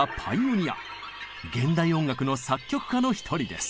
現代音楽の作曲家の一人です。